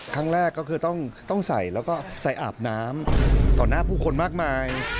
ครั้งแรกก็คือต้องใส่อาบน้ำก่อนหน้าผู้คนมากมาย